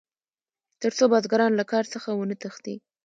تر څو بزګران له کار څخه ونه تښتي.